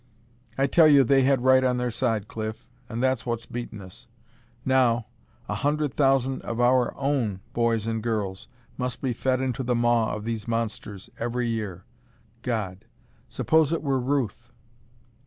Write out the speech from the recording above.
I tell you they had right on their side, Cliff, and that's what's beaten us. Now a hundred thousand of our own boys and girls must be fed into the maw of these monsters every year. God, suppose it were Ruth!"